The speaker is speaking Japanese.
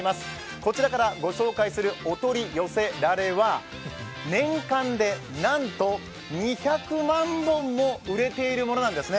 こちらからご紹介するお取り寄せられは、年間でなんと２００万本も売れているものなんですね。